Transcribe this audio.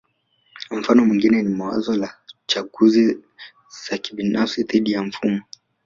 Mfano mwingine ni wazo la chaguzi za kibinafsi dhidi ya mfumo